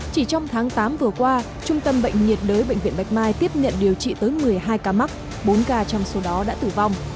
chỉ trong tháng tám vừa qua trung tâm bệnh nhiệt đới bệnh viện bạch mai tiếp nhận điều trị tới một mươi hai ca mắc bốn ca trong số đó đã tử vong